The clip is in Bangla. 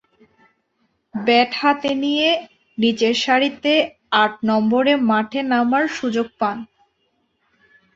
ব্যাট হাতে নিয়ে নিচেরসারিতে আট নম্বরে মাঠে নামার সুযোগ পান।